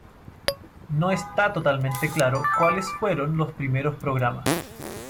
No está totalmente claro cuáles fueron los primeros programas.